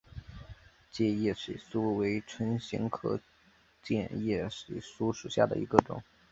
箭叶水苏为唇形科箭叶水苏属下的一个种。